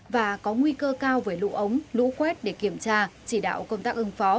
và có nguy cơ cao với lũ ống lũ quét để kiểm tra chỉ đạo công tác ứng phó